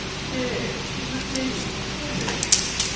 " Naay, it wur thee ; no' me."